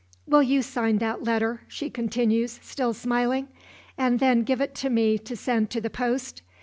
"Will you sign that letter?" she continues, still smiling, "and then give it to me to send to the post?